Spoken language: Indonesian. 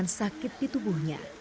menahan sakit di tubuhnya